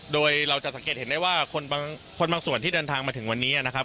โดยเราจะสังเกตเห็นได้ว่าคนบางคนบางส่วนที่เดินทางมาถึงวันนี้นะครับ